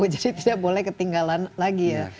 jadi tidak boleh ketinggalan lagi ya